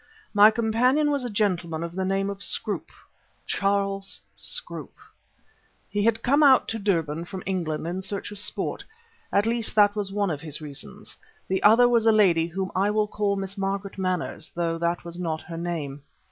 My companion was a gentleman of the name of Scroope, Charles Scroope. He had come out to Durban from England in search of sport. At least, that was one of his reasons. The other was a lady whom I will call Miss Margaret Manners, though that was not her name.